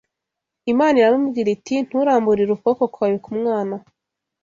Imana iramubwira iti nturamburire ukuboko kwawe ku mwana